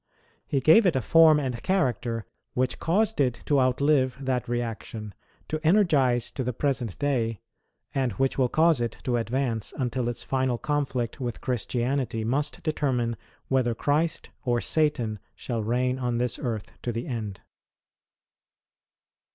He gave it a form and character which caused it to outlive that reaction, to energize to the present day, and which will cause it to advance until its final conflict with Christianity must determine whether Christ or Satan shall reign on this earth to the end.